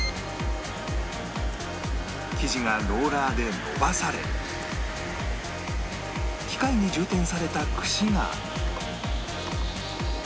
生地がローラーで延ばされ機械に充填された串が